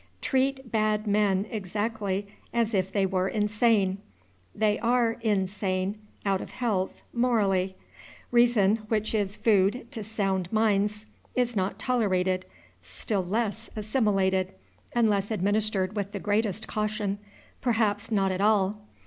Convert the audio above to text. Treat bad men exactly as if they were insane. They are in sane, out of health, morally. Reason, which is food to sound minds, is not tolerated, still less assimilated, unless administered with the greatest caution; perhaps, not at all.